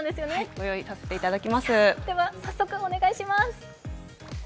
ご用意させていただきます。